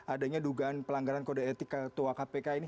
adanya dugaan pelanggaran kode etik ketua kpk ini